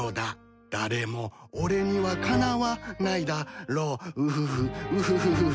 「誰も俺にはかなわないだろう」「ウフフウフフフフ」